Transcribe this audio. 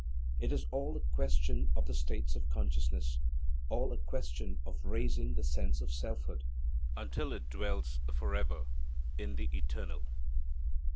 It is all a question of the states of consciousness; all a question of raising the sense of selfhood, until it dwells forever in the Eternal.